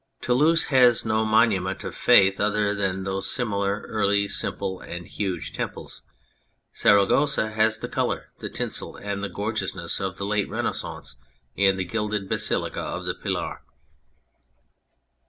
Toulouse has no monument of faith other than those similar early simple and huge temples. Saragossa has the colour, the tinsel, and the gorgeousness of the late Renaissance in the gilded Basilica of the Pilar.